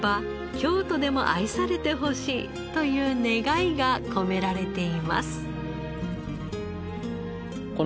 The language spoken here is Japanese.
京都でも愛されてほしいという願いが込められています。